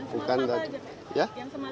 yang semalam itu apa